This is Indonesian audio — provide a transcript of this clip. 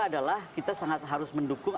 adalah kita sangat harus mendukung